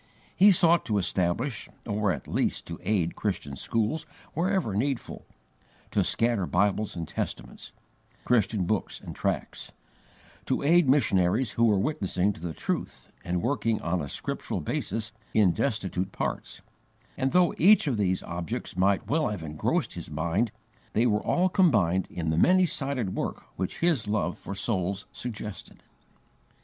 He sought to establish or at least to aid Christian schools wherever needful, to scatter Bibles and Testaments, Christian books and tracts; to aid missionaries who were witnessing to the truth and working on a scriptural basis in destitute parts; and though each of these objects might well have engrossed his mind, they were all combined in the many sided work which his love for souls suggested.